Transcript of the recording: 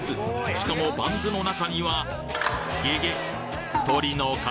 しかもバンズの中にはげげっ！